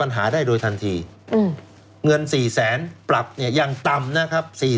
โอ้โหโดนไป๔สงสัย